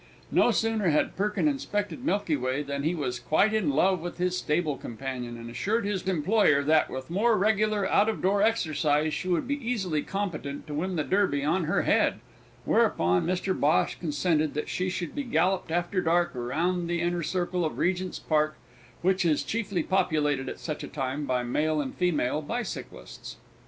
No sooner had Perkin inspected Milky Way than he was quite in love with his stable companion, and assured his employer that, with more regular out of door exercise, she would be easily competent to win the Derby on her head, whereupon Mr Bhosh consented that she should be galloped after dark round the inner circle of Regent's Park, which is chiefly populated at such a time by male and female bicyclists.